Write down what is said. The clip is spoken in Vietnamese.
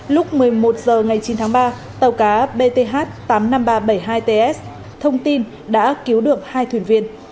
lúc một mươi một h ngày chín tháng ba tàu cá bth tám mươi năm nghìn ba trăm bảy mươi hai ts thông tin đã cứu được hai thuyền viên